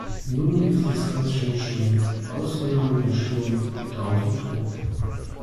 Nun ist es ganz schön still, ausgenommen der Sturm, der draußen tobt.